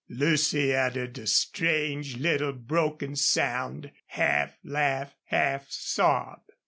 Lucy uttered a strange little broken sound, half laugh, half sob.